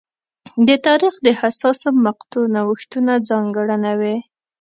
د تاریخ د حساسو مقطعو نوښتونه ځانګړنه وې.